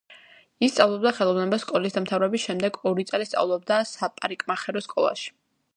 ის სწავლობდა ხელოვნებას სკოლის დამთავრების შემდეგ, ორი წელი სწავლობდა საპარიკმახერო სკოლაში.